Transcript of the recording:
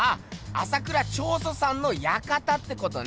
朝倉彫塑さんの館ってことね！